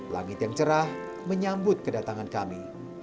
langit yang cerah menyambut kedatangan kami